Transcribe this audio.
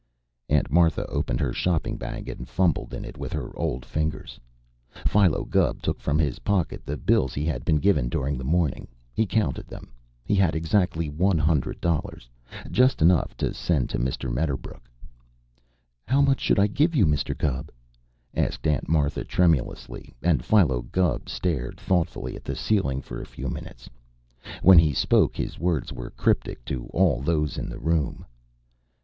Aunt Martha opened her shopping bag, and fumbled in it with her old fingers. Philo Gubb took from his pocket the bills he had been given during the morning. He counted them. He had exactly one hundred dollars, just enough to send to Mr. Medderbrook. "How much should I give you, Mr. Gubb?" asked Aunt Martha tremulously, and Philo Gubb stared thoughtfully at the ceiling for a few minutes. When he spoke, his words were cryptic to all those in the room.